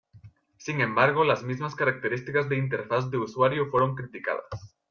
Sin embargo, las mismas características de interfaz de usuario fueron criticadas.